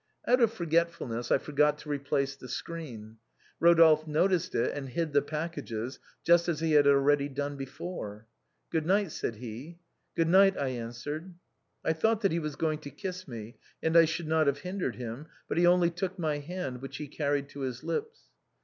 " Out of forgetfulness I forgot to replace the screen. Eodolphe noticed it and hid the packages just as he had already done before. ' Good night/ said he. ' Good night,' I answered. I thought that he was going to kiss me and I should not have hindered him, but he only took my hand, which he carried to his lips.